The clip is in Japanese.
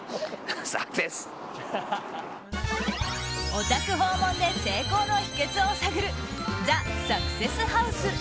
お宅訪問で成功の秘訣を探るＴＨＥサクセスハウス